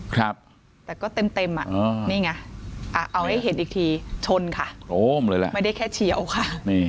ครับแต่ก็เต็มไงเนี้ยเอาให้เห็นอีกทีชนค่ะโอ้โซมเลยไม่ได้แค่เชี่ยวคะ